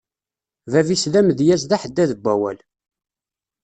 Bab-is d amedyaz d aḥeddad n wawal.